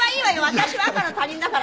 私は赤の他人だから」